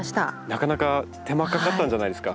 なかなか手間かかったんじゃないですか？